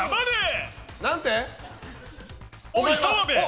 おい澤部！